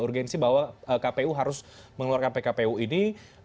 urgensi bahwa kpu harus mengeluarkan pkpu ini